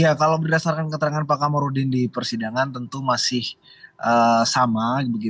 ya kalau berdasarkan keterangan pak kamarudin di persidangan tentu masih sama